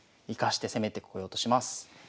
生かして攻めてこようとします。